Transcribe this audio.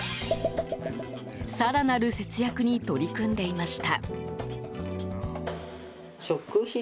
更なる節約に取り組んでいました。